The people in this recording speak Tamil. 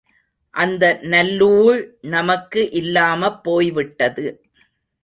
அந்த நல்லூழ் நமக்கு இல்லாமப் போய்விட்டது.